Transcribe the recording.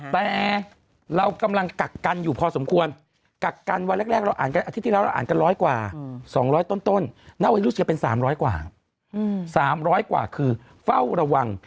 แต่เรากำลังกักกันอยู่พอสมควรกักกันวันแรกเราอ่านกันอาทิตย์ที่แล้วเราอ่านกันร้อยกว่า๒๐๐ต้นณวันนี้รู้สึกจะเป็น๓๐๐กว่า๓๐๐กว่าคือเฝ้าระวัง